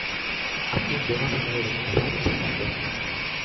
Afunde un aparcadoiro soterrado en Santander.